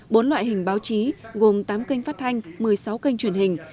bốn loại hình báo chí gồm tám kênh phát thanh một mươi sáu kênh truyền hình